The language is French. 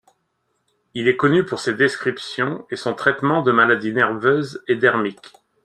Il est connu pour ses descriptions et son traitement de maladies nerveuses et dermiques.